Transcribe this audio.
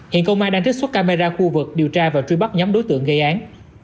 hiện công an đang trích xuất camera khu vực điều tra và truy bắt nhóm đối tượng gây án